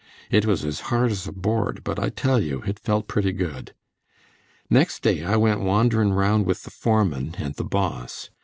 It was as hard as a board, but I tell you it felt pretty good. Next day I went wanderin' 'round with the foreman and the Boss.